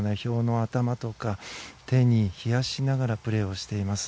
頭とか手を氷のうで冷やしながらプレーをしています。